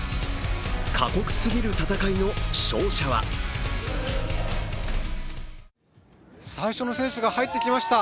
過酷すぎる戦いの勝者は最初の選手が入ってきました。